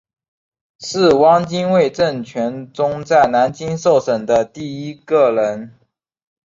是汪精卫政权中在南京受审的第一个人。